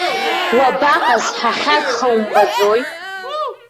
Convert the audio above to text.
Уабаҟаз, ҳахьагха умбаӡои?